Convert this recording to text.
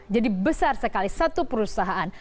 jadi besar sekali satu perusahaan